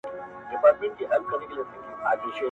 زه هوسۍ له لوړو څوکو پرزومه؛